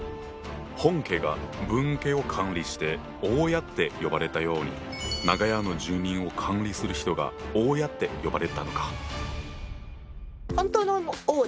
本家が分家を管理して「大家」って呼ばれたように長屋の住人を管理する人が「大家」って呼ばれたのか。